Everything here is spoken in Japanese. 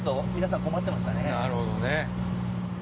なるほどね。